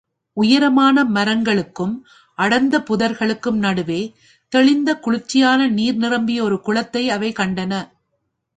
உயரமான மரங்களுக்கும், அடர்ந்த புதர்களுக்கும் நடுவே, தெளிந்த குளிர்ச்சியான நீர் நிரம்பிய ஒரு குளத்தை அவை கண்டன.